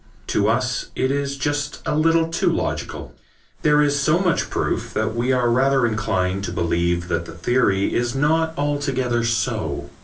To us it is just a little too logical. There is so much proof that we are rather inclined to believe that the theory is not altogether so.